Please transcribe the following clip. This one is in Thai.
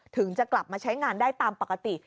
ถึงจะกลับมาใช้งานได้ตามปกติ